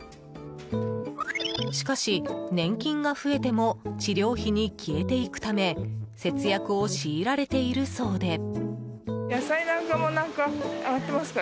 しかし年金が増えても治療費に消えていくため節約を強いられているそうで。